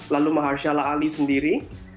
lalu maharshala ali sendiri